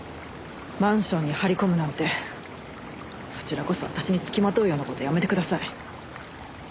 マンションに張り込むなんてそちらこそ私につきまとうような事やめてください。